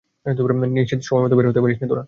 নিশ্চিত সময়মত বের হতে পারিসনি তোরা।